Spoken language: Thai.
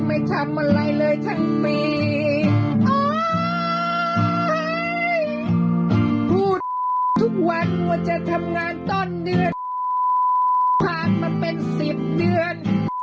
ไม่ทำอะไรเลยทั้งปีโอ๊ยพูดทุกวันว่าจะทำงานตอนเดือนผ่านมาเป็นสิบเดือน